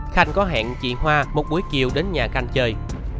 khanh có hẹn chị hoa một buổi chiều đến nhà khanh chơi